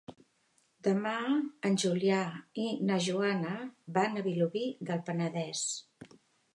Demà en Julià i na Joana van a Vilobí del Penedès.